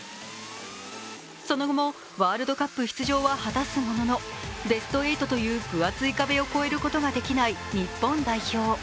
その後もワールドカップ出場は果たすものの、ベスト８という分厚い壁を乗り越えることができない日本代表。